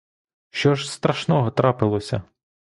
Що ж страшного трапилося?